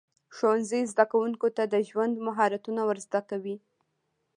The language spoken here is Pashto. ښوونځی زده کوونکو ته د ژوند مهارتونه ورزده کوي.